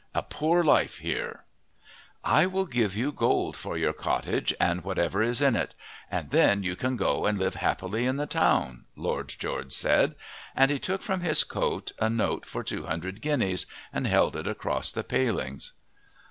A poor life here!" "I will give you gold for your cottage and whatever is in it, and then you can go and live happily in the town," Lord George said. And he took from his coat a note for two hundred guineas, and held it across the palings.